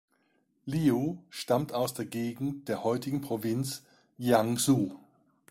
Liu stammt aus der Gegend der heutigen Provinz Jiangsu.